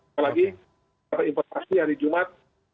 apalagi informasi hari jumat